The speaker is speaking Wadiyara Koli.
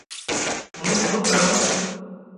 مون شُون ڪرون